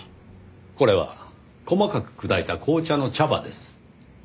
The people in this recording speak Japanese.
これは細かく砕いた紅茶の茶葉です。